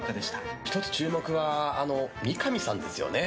１つ注目は三上さんですよね。